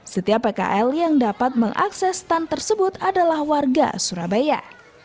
setiap pkl yang dapat mengakses tan tersebut adalah warga surabaya